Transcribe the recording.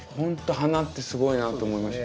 花ってすごいなと思いました。